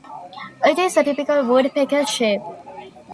It is a typical woodpecker shape.